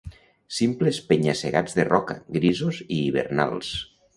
Simples penya-segats de roca, grisos i hivernals